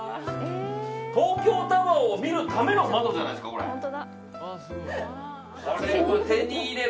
東京タワーを見るための窓じゃないですか、これ。